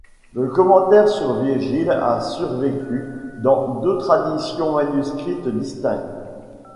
Le commentaire sur Virgile a survécu dans deux traditions manuscrites distinctes.